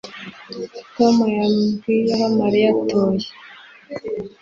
Tom yambwiye aho Mariya atuye